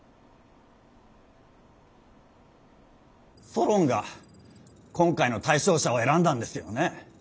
ソロンが今回の対象者を選んだんですよね？